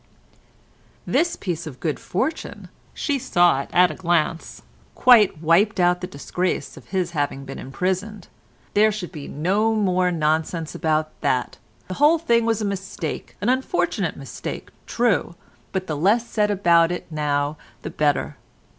"This piece of good fortune"—she saw it at a glance—"quite wiped out the disgrace of his having been imprisoned. There should be no more nonsense about that. The whole thing was a mistake, an unfortunate mistake, true, but the less said about it now the better.